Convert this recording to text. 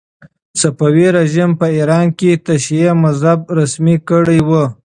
صفوي رژیم په ایران کې تشیع مذهب رسمي کړی و.